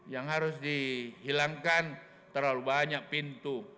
yang harus dihilangkan terlalu banyak pintu